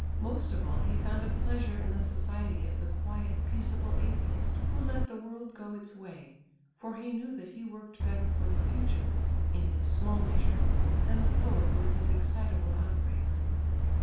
Most of all he found a pleasure in the society of the quiet, peaceable atheist, who let the world go its way, for he knew that he worked better for the future, in his small measure, than the poet with his excitable outbreaks.